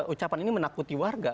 ucapan ini menakuti warga